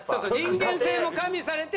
人間性も加味されて。